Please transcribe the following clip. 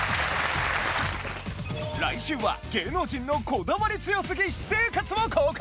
来週は芸能人のこだわり強すぎ私生活を公開！